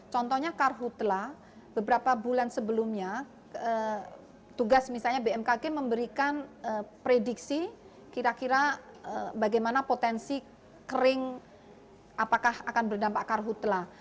contohnya karhutlah beberapa bulan sebelumnya tugas misalnya bmkg memberikan prediksi kira kira bagaimana potensi kering apakah akan berdampak karhutlah